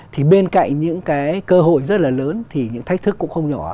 thì bên cạnh những cái cơ hội rất là lớn thì những thách thức cũng không nhỏ